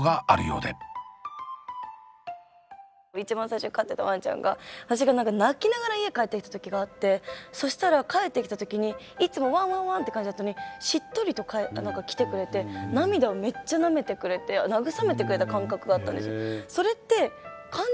一番最初に飼ってたワンちゃんが私が泣きながら家帰ってきた時があってそしたら帰ってきた時にいつも「ワンワンワン！」って感じだったのにしっとりと来てくれて涙をめっちゃなめてくれてそれって感情が分かってる？